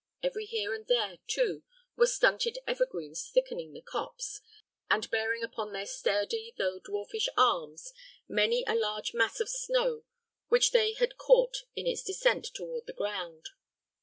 Every here and there, too, were stunted evergreens thickening the copse, and bearing upon their sturdy though dwarfish arms many a large mass of snow which they had caught in its descent toward the ground.